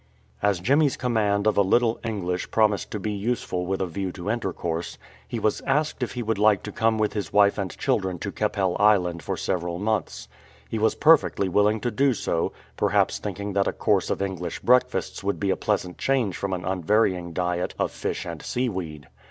As Jemmy's command of a little English promised to be useful with a view to intercourse, he was asked if he would like to come with his wife and children to Keppel Island for several months. He was perfectly willing to do so, perhaps thinking that a course of English breakfasts would be a pleasant change from an unvarying diet of fish and seaweed.